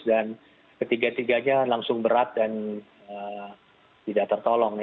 dan ketiga tiganya langsung berat dan tidak tertolong